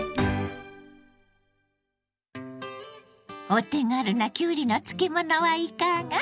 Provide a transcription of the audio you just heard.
お手軽なきゅうりの漬物はいかが？